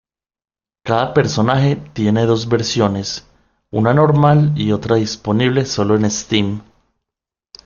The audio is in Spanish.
Cada personaje tiene dos versiones, una normal y otra disponible solo en Steam.